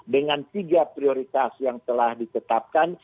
dengan tiga prioritas yang telah ditetapkan